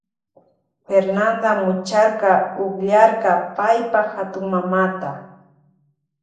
Fernanda mucharka ukllarka paypa hatunmamata.